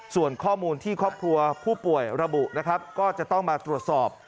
ส่วนข้อมูลที่ครอบครัวผู้ป่วยระบุนะครับก็จะต้องมาตรวจสอบ